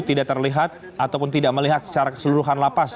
tidak terlihat ataupun tidak melihat secara keseluruhan lapas